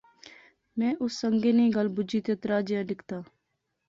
میں اس سنگے نی گل بجی تہ تراہ جیا لکھتا